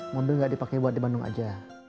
mobil gak dipake buat di bandung aja